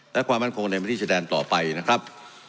และความมั่นคงในพื้นที่ชายแดนต่อไปนะครับ